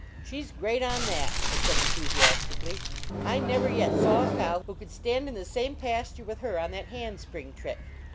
"She s great on that," I said, enthusi astically. " I never yet saw a cow who could stand in the same pasture with her on that hand spring trick."